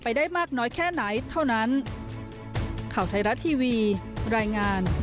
ได้มากน้อยแค่ไหนเท่านั้น